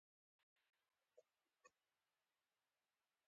مقابل لوری یې معذور ونه ګاڼه.